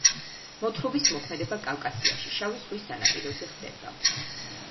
მოთხრობის მოქმედება კავკასიაში, შავი ზღვის სანაპიროზე ხდება.